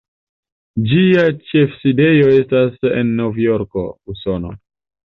Ĝia ĉefsidejo estas en Novjorko, Usono.